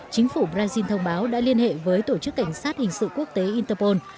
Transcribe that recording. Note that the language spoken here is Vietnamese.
chính phủ brazil thông báo đã liên hệ với tổ chức cảnh sát hình sự quốc tế interpol